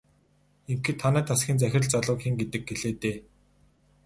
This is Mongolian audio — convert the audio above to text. Ингэхэд танай тасгийн захирал залууг хэн гэдэг гэлээ дээ?